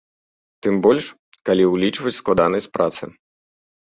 Тым больш, калі ўлічваць складанасць працы.